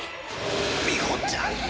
みほちゃん